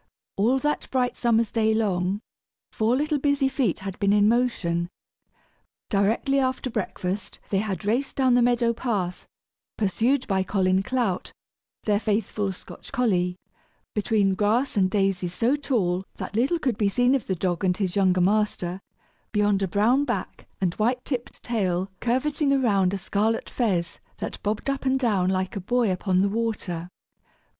All that bright summer's day long, four little busy feet had been in motion. Directly after breakfast they had raced down the meadow path, pursued by Colin Clout, their faithful Scotch collie, between grass and daisies so tall that little could be seen of the dog and his younger master, beyond a brown back and white tipped tail curveting around a scarlet fez that bobbed up and down like a buoy upon the water.